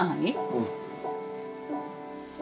うん。